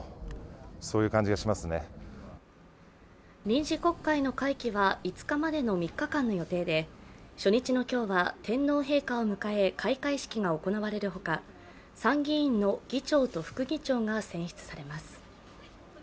臨時国会の会期は５日までの３日間の予定で初日の今日は天皇陛下を迎え開会式が行われるほか参議院の議長と副議長が選出されます。